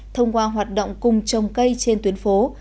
thông qua hoạt động cùng trồng cây trên tuyến phố